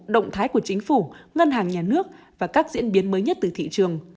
động thái của chính phủ ngân hàng nhà nước và các diễn biến mới nhất từ thị trường